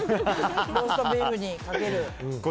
ローストビーフにかけると。